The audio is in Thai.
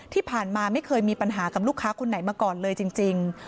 ที่ผ่านมาไม่เคยมีปัญหากับลูกค้าคนไหนมาก่อนเลยจริง